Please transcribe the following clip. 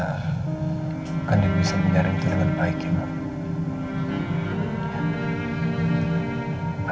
bukan dia yang bisa menjaring kita dengan baik ya mama